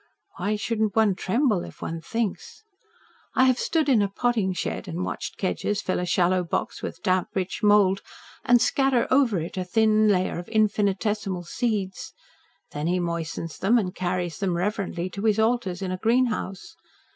Why shouldn't one tremble, if one thinks? I have stood in a potting shed and watched Kedgers fill a shallow box with damp rich mould and scatter over it a thin layer of infinitesimal seeds; then he moistens them and carries them reverently to his altars in a greenhouse.